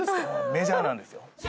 メジャーなんですよ。